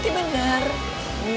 kamu udah siap bu